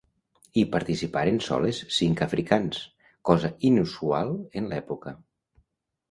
Hi participaren soles cinc africans, cosa inusual en l'època.